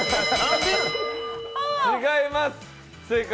違います！